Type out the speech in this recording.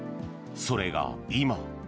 それが今。